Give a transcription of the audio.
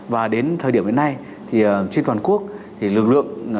và đến thời điểm hiện nay thì trên toàn quốc thì lực lượng